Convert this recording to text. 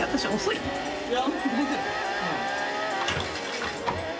いや。